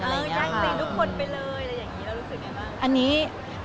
จ้างซีนทุกคนไปเลย